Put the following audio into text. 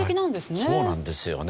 そうなんですよね。